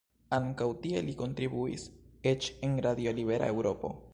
Ankaŭ tie li kontribuis, eĉ en Radio Libera Eŭropo.